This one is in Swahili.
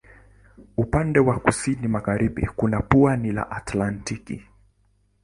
Upande wa kusini magharibi kuna pwani la Atlantiki.